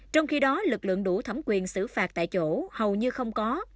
trong khi đó lực lượng đủ thẩm quyền xử phạt tại chỗ hầu như không có